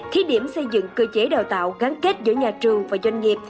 khi điểm xây dựng cơ chế đào tạo gắn kết giữa nhà trường và doanh nghiệp